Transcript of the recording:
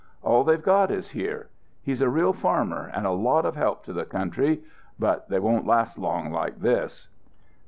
All they've got is here. He's a real farmer and a lot of help to the country, but they won't last long like this."